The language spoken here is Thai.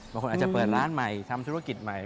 บางคนอาจจะเปิดร้านใหม่ทำธุรกิจใหม่